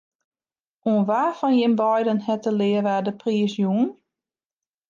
Oan wa fan jim beiden hat de learaar de priis jûn?